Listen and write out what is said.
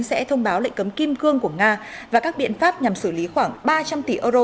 sẽ thông báo lệnh cấm kim cương của nga và các biện pháp nhằm xử lý khoảng ba trăm linh tỷ euro